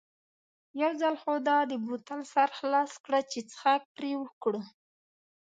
یو ځل خو دا د بوتل سر خلاص کړه چې څښاک پرې وکړو.